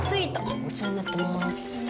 お世話になってます。